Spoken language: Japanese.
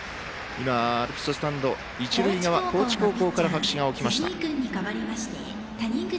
アルプススタンド、一塁側高知高校から拍手が起きました。